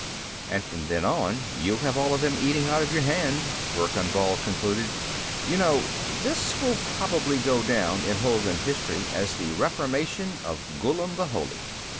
"And from then on, you'll have all of them eating out of your hand," Verkan Vall concluded. "You know, this will probably go down in Hulgun history as the Reformation of Ghullam the Holy.